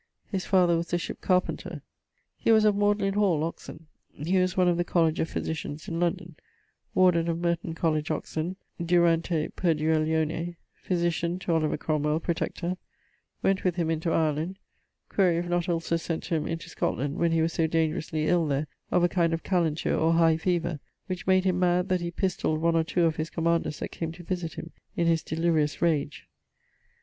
His father was a ship carpenter. He was of Magdalen hall, Oxon. He was one of the College of Physitians, in London; Warden of Merton College, Oxon, durante perduellione; physitian to Oliver Cromwell, Protector; went with him into Ireland. Quaere if not also sent to him into Scotland, when he was so dangerously ill there of a kind of calenture or high fever, which made him mad that he pistolled one or two of his commanders that came to visit him in his delirious rage.